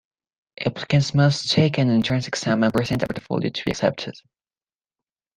Applicants must take an entrance exam and present a portfolio to be accepted.